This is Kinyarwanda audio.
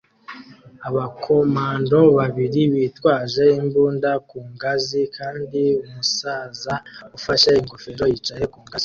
Abakomando babiri bitwaje imbunda ku ngazi kandi umusaza ufashe ingofero yicaye ku ngazi